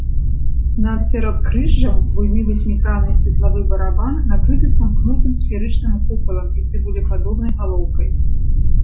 Над сяродкрыжжам буйны васьмігранны светлавы барабан накрыты самкнутым сферычным купалам і цыбулепадобнай галоўкай.